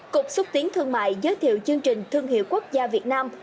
cục xúc tiến thương mại giới thiệu chương trình thương hiệu quốc gia việt nam